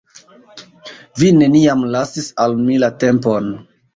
Vi neniam lasis al mi la tempon.